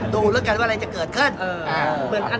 ดูแล้วกันว่าอะไรจะเกิดขึ้น